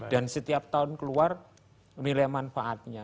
dan setiap tahun keluar nilai manfaatnya